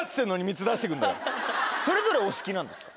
それぞれお好きなんですか？